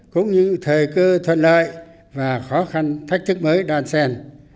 cũng như thời cơ thuận lợi và khó khăn thách thức mới đàn sèn